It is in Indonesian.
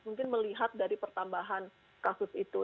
mungkin melihat dari pertambahan kasus itu